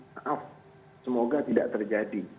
maaf semoga tidak terjadi